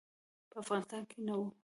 په افغانستان کې نه وو.